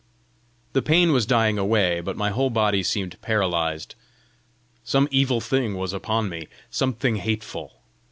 The pain was dying away, but my whole body seemed paralysed. Some evil thing was upon me! something hateful!